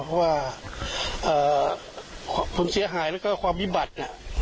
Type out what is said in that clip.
เพราะว่าผลเสียหายแล้วก็ความวิบัติ